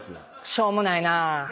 しょうもない。